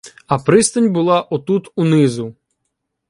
А пристань була отут унизу.